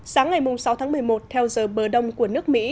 sáng ngày sáu tháng một mươi một theo giờ bờ đông của nước mỹ